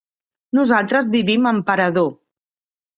Nosaltres vivim a Emperador.